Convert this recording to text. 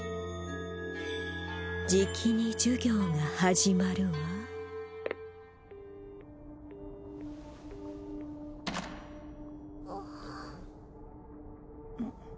じきに授業が始まるわあうんっ？